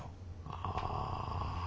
ああ。